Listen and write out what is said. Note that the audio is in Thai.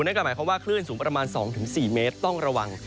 นั่นก็หมายความว่าคลื่นสูงประมาณ๒๔เมตรต้องระวัง